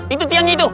itu tiangnya itu